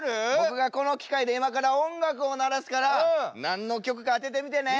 僕がこの機械で今から音楽を鳴らすから何の曲か当ててみてね。